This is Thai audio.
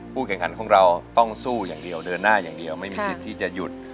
แข่งขันของเราต้องสู้อย่างเดียวเดินหน้าอย่างเดียวไม่มีสิทธิ์ที่จะหยุด